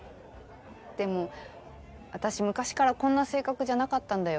でも私昔からこんな性格じゃなかったんだよ。